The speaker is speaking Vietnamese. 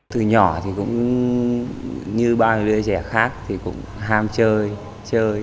từ nhỏ thì cũng như bao nhiêu đứa trẻ khác thì cũng ham chơi chơi